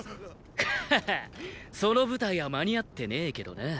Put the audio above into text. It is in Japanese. ッハハその部隊は間に合ってねェけどな。